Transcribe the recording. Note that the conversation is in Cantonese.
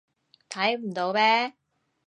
睇唔到咩？